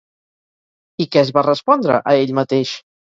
I què es va respondre a ell mateix?